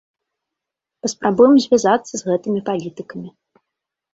Паспрабуем звязацца з гэтымі палітыкамі.